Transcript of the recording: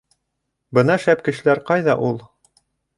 — Бына шәп кешеләр ҡайҙа ул!